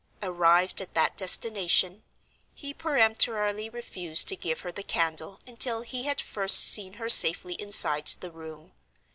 Arrived at that destination, he peremptorily refused to give her the candle until he had first seen her safely inside the room.